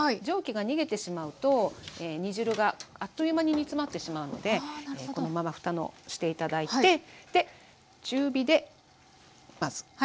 蒸気が逃げてしまうと煮汁があっという間に煮詰まってしまうのでこのままふたのして頂いて。